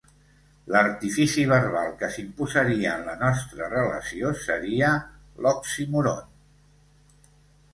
L'artifici verbal que s'imposaria en la nostra relació seria l'oxímoron.